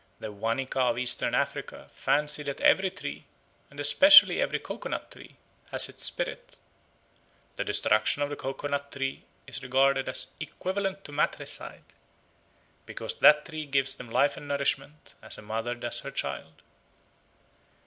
The Wanika of Eastern Africa fancy that every tree, and especially every coco nut tree, has its spirit; "the destruction of a cocoa nut tree is regarded as equivalent to matricide, because that tree gives them life and nourishment, as a mother does her child."